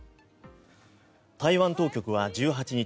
台湾当局は１８日